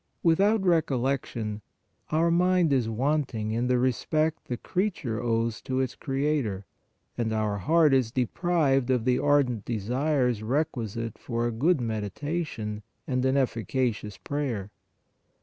With out recollection our mind is wanting in the respect the creature owes to its Creator, and our heart is deprived of the ardent desires requisite for a good meditation and an efficacious prayer.